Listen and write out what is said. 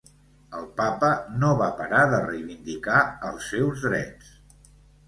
El Papa no va parar de reivindicar els seus drets.